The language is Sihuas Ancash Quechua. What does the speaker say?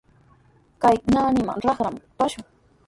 Kay naanipami raqraman trashun.